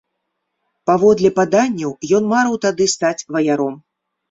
Паводле паданняў, ён марыў тады стаць ваяром.